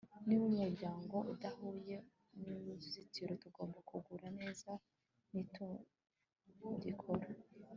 niba umuryango udahuye nuruzitiro, tugomba kuguruka neza nitugikora